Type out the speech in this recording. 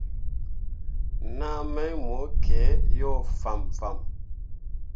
Naa mai mo kǝǝ yo fãmfãm.